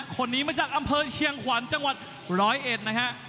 คนนี้มาจากอำเภอเชียงขวัญจังหวัดร้อยเอ็ดนะฮะ